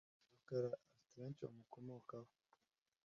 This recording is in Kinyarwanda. Rukara afite benshi bamukomokaho